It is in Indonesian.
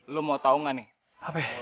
lo mau tau gak nih